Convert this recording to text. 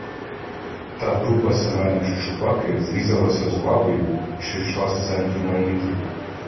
То група Семена Чучупаки зрізалася з лавою, що йшла з центру Мельників.